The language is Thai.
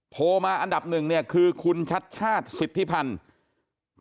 โทรมาอันดับหนึ่งเนี่ยคือคุณชัดชาติสิทธิพันธ์